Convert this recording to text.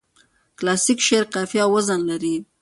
کلاسیک شعر قافیه او وزن لري.